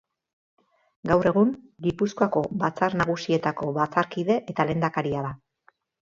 Gaur egun, Gipuzkoako Batzar Nagusietako batzarkide eta lehendakaria da.